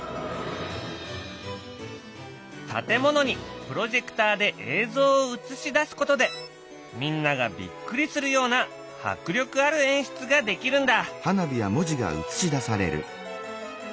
建物にプロジェクターで映像を映し出すことでみんながびっくりするような迫力ある演出ができるんだ。